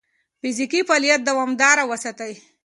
فزیکي فعالیت دوامداره وساتئ.